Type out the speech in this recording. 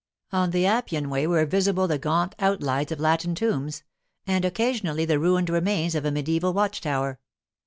On the Appian Way were visible the gaunt outlines of Latin tombs, and occasionally the ruined remains of a mediaeval watch tower.